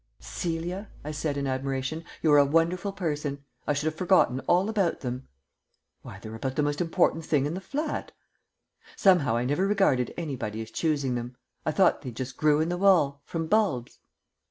"Celia," I said in admiration, "you're a wonderful person. I should have forgotten all about them." "Why, they're about the most important thing in the flat." "Somehow I never regarded anybody as choosing them. I thought they just grew in the wall. From bulbs."